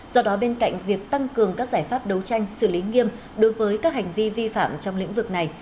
do đó bên cạnh việc tăng cường các giải pháp đấu tranh xử lý nghiêm đối với các hành vi vi phạm trong lĩnh vực này